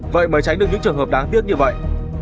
vậy mới tránh được những trường hợp đáng tiếc như vậy